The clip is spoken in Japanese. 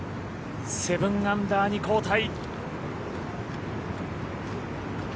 ７アンダーに後退。